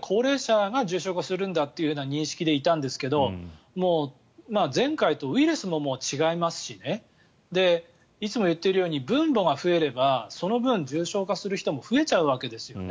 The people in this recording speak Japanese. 高齢者が重症化するんだという認識でいたんですが前回とウイルスも違いますしいつも言っているように分母が増えればその分、重症化する人も増えちゃうわけですよね。